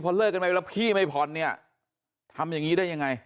เลิกกันไปแล้วพี่ไม่ผ่อนเนี่ยทำอย่างนี้ได้ยังไง